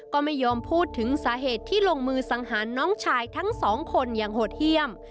ก็ไม่ยอมพูดถึงสาเหตุที่ลงมือสังหารน้องชายทั้งสองคนอย่างโหดเยี่ยม